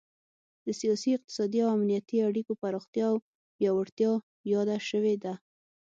د سیاسي، اقتصادي او امنیتي اړیکو پراختیا او پیاوړتیا یاده شوې ده